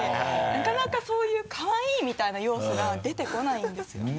なかなかそういう「かわいい」みたいな要素が出てこないんですよね。